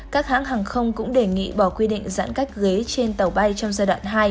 các hãng hàng không cũng đề nghị bỏ quy định giãn cách ghế trên tàu bay trong giai đoạn hai